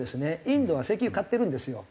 インドは石油買ってるんですよ。